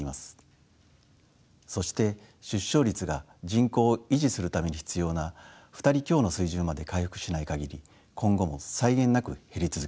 そして出生率が人口を維持するために必要な２人強の水準まで回復しない限り今後も際限なく減り続けます。